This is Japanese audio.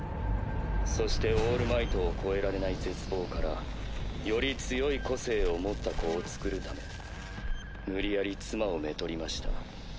そしてオールマイトを超えられない絶望からより強い個性を持った子をつくる為無理矢理妻を娶りました。